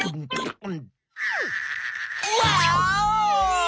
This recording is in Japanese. ワーオ！